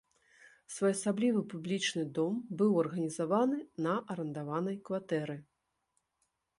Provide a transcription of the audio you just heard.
Своеасаблівы публічны дом быў арганізаваны на арандаванай кватэры.